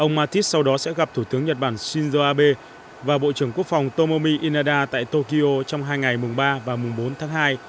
ông matthis sau đó sẽ gặp thủ tướng nhật bản shinzo abe và bộ trưởng quốc phòng tomomi canada tại tokyo trong hai ngày mùng ba và mùng bốn tháng hai